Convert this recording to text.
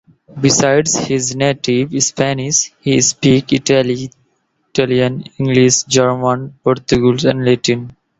Besides his native Spanish, he speaks Italian, English, German, Portuguese and Latin.